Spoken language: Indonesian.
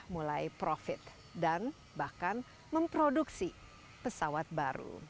mulai profit dan bahkan memproduksi pesawat baru